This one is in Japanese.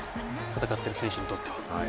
戦っている選手にとっては。